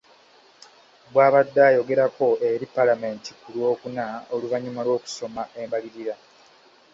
Bw’abadde ayogerako eri Paalamenti ku lwokuna oluvannyuma lw’okusoma embalirira.